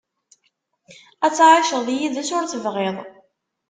Ad tɛiceḍ yid-s ur tebɣiḍ.